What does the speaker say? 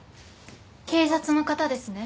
警察の方ですね。